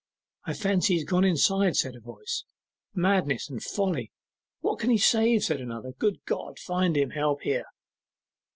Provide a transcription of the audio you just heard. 'I fancy he's gone inside,' said a voice. 'Madness and folly! what can he save?' said another. 'Good God, find him! Help here!